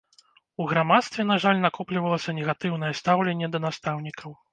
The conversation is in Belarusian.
У грамадстве, на жаль, накоплівалася негатыўнае стаўленне да настаўнікаў.